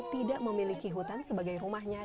tidak memiliki hutan sebagai rumahnya